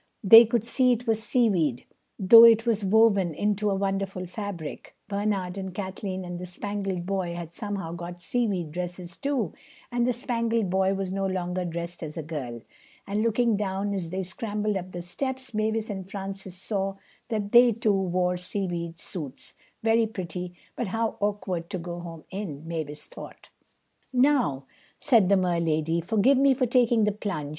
They could see it was seaweed though it was woven into a wonderful fabric. Bernard and Kathleen and the Spangled Boy had somehow got seaweed dresses too, and the Spangled Boy was no longer dressed as a girl; and looking down as they scrambled up the steps Mavis and Francis saw that they, too, wore seaweed suits—"Very pretty, but how awkward to go home in," Mavis thought. [Illustration: The golden door.] "Now," said the Mer lady, "forgive me for taking the plunge.